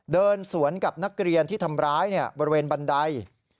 เดินสวนกับนักเรียนที่ทำร้ายบริเวณบันได